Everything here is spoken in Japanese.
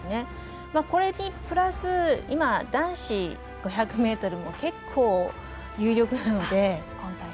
これにプラス男子５００ｍも結構、有力なので。